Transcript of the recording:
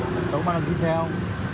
đâu có mang đăng ký xe không